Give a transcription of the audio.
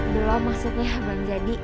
belum maksudnya belum jadi